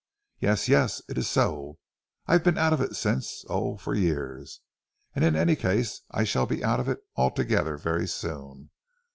"Yes! Yes! It is so. I've been out of it since oh, for years! And in any case ... I shall be out of it ... altogether very soon.